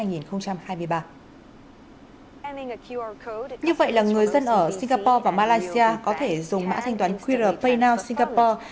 như vậy là người dân ở singapore và malaysia có thể dùng mã thanh toán qr paynow singapore